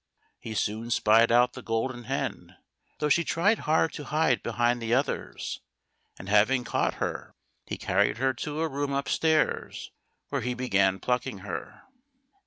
He soon spied out the Golden Hen, though she tried hard to hide behind the others, and having caught her, he carried her to a room upstairs, where he began plucking her.